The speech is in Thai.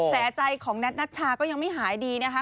แสดงใจของแนทนัชชายังไม่หายดีนะค่ะ